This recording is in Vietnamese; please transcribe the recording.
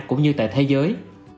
cũng như tại thế giới